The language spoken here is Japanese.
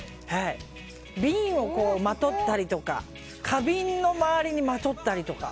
瓶をまとったりとか花瓶の周りにまとったりとか。